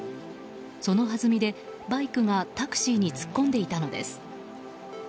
そのはずみでバイクがタクシーに突っ込んでいたのです。